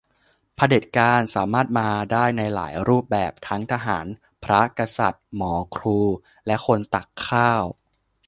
เผด็จการสามารถมาได้ในหลายรูปแบบ ทั้งทหาร พระ กษัตริย์ หมอ ครู และคนตักข้าว